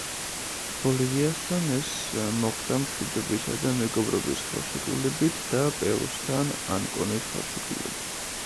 ბოლივიასთან ეს მოხდა მშვიდობისა და მეგობრობის ხელშეკრულებით და პერუსთან ანკონის ხელშეკრულებით.